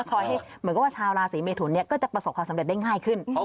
คอยให้เหมือนกับว่าชาวราศีเมทุนก็จะประสบความสำเร็จได้ง่ายขึ้น